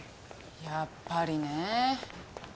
やっぱりねぇ。